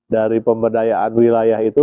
dari pemberdayaan wilayah itu